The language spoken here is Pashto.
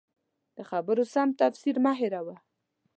د خبرو سم تفسیر مه هېروه.